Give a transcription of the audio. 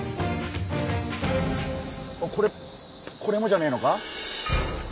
これこれもじゃねえのか？